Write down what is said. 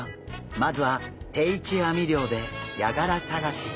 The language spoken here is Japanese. まずは定置網漁でヤガラ探し。